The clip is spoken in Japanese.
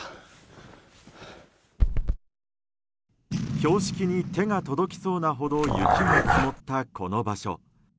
標識に手が届きそうなほど雪が積もった、この場所。